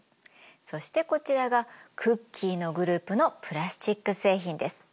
そしてこちらがクッキーのグループのプラスチック製品です。